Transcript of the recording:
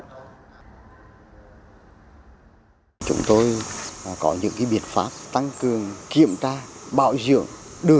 từ đầu năm đến nay công ty điện lực quảng trị đã đại tô cải tạo